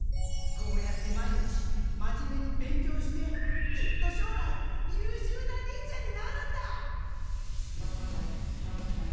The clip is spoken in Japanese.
こうやって毎日真面目に勉強してきっとしょうらいゆうしゅうな忍者になるんだ！